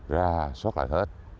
ra xót lại hết